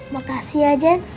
makasih ya jen